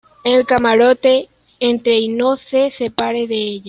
en el camarote. entre y no se separe de ella.